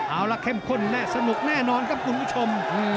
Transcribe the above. เอาล่ะเข้มข้นแน่สนุกแน่นอนครับคุณผู้ชม